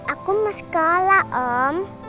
aku mau sekolah om